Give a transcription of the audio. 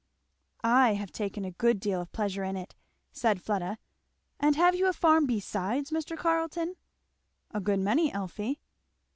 "I have taken a good deal of pleasure in it," said Fleda. "And have you a farm besides, Mr. Carleton?" "A good many, Elfie."